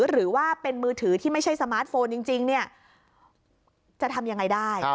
หรือว่าเป็นมือถือที่ไม่ใช่สมาร์ทโฟนจริงจะทำยังไงได้